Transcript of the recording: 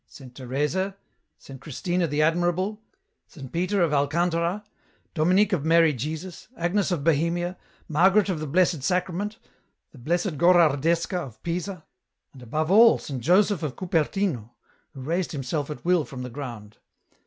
Saint Teresa, Saint Christina the Admirable, Saint Peter of Alcantara, Dominic of Mary Jesus, Agnes of Bohemia, Margaret of the Blessed Sacrament, the Blessed Gorardescaof Pisa, and above all Saint Joseph of Cupertino, who raised himself at will from the ground.